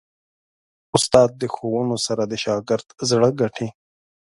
استاد د ښوونو سره د شاګرد زړه ګټي.